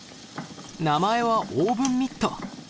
名前はオーブンミット。